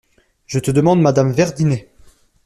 Je te demande madame Verdinet…